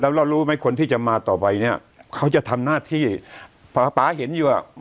แล้วเรารู้ไหมคนที่จะมาต่อไปเนี่ยเขาจะทำหน้าที่ป๊าป๊าเห็นอยู่อ่ะ